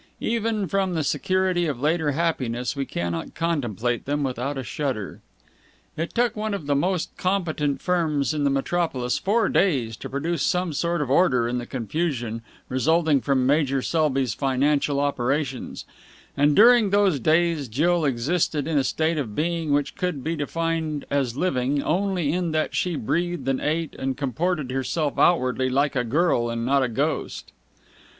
Even from the security of later happiness we cannot contemplate them without a shudder. It took one of the most competent firms in the metropolis four days to produce some sort of order in the confusion resulting from Major Selby's financial operations; and during those days Jill existed in a state of being which could be defined as living only in that she breathed and ate and comported herself outwardly like a girl and not a ghost.